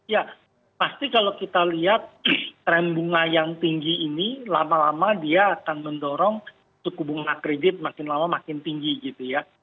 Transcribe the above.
ya pasti kalau kita lihat tren bunga yang tinggi ini lama lama dia akan mendorong suku bunga kredit makin lama makin tinggi gitu ya